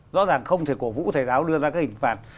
rõ ràng không thể cổ vũ thầy giáo đưa ra các hình phạt